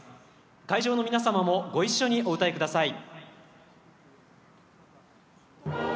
会場の皆様もご一緒にお歌いください。